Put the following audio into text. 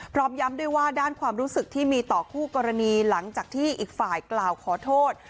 พร้อมย้ำด้วยว่าด้านความรู้สึกที่มีต่อคู่กรณีหลังจากที่อีกฝ่ายกล่าวขอโทษ